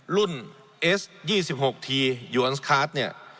รุ่นเอสยี่สิบหกทียูอันส์คลาสเนี่ย